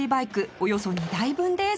およそ２台分です